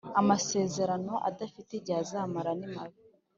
Amasezerano adafite igihe azamara nimabi.